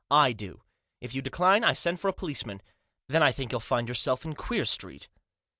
"I do. If you decline I send for a policeman. Then I think you'll find yourself in Queer Street."